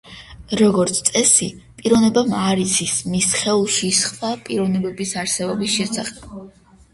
როგორც წესი, პიროვნებამ არ იცის მის სხეულში სხვა პიროვნებების არსებობის შესახებ.